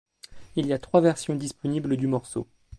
Il y a trois versions disponibles du morceau.